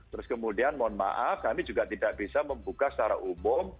terus kemudian mohon maaf kami juga tidak bisa membuka secara umum